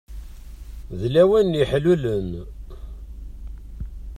D lawan n yeḥlulen.